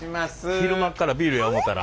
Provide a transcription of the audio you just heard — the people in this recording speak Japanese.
昼間っからビールや思うたら。